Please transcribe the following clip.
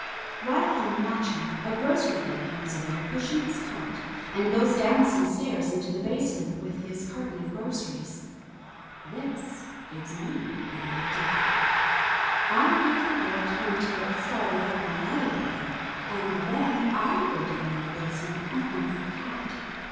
While I'm watching, a grocery boy comes along pushing his cart and goes down some stairs into the basement with his carton of groceries. This gives me an idea. I'll give the boy time to get started up in the elevator, and then I'll go down in the basement and hunt for Cat.